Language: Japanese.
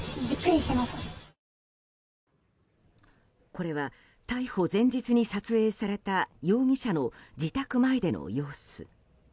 これは、逮捕前日に撮影された容疑者の自宅前での様子。